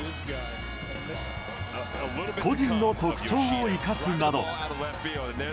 個人の特徴を生かすなど。